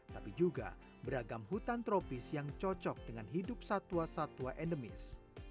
tapi juga beragam hutan tropis yang cocok dengan hidup satwa satwa endemis